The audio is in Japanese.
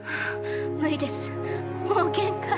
無理ですもう限界。